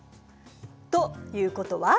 ということは？